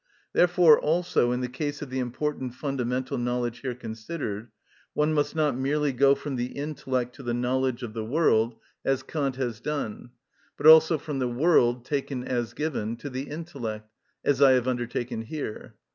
Therefore also, in the case of the important fundamental knowledge here considered, one must not merely go from the intellect to the knowledge of the world, as Kant has done, but also from the world, taken as given, to the intellect, as I have undertaken here.